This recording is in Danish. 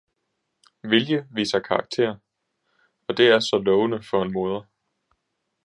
Vilje viser karakter, og det er så lovende for en moder.